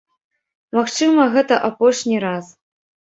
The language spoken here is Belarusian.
Магчыма, гэта апошні раз.